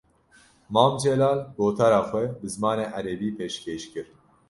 Mam Celal, gotara xwe bi zimanê Erebî pêşkêş kir